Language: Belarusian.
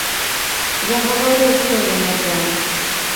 Я гаварыў, што ён аддаў.